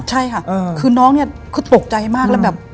ใช่ค่ะคือน้องเนี่ยคือตกใจมากแล้วแบบ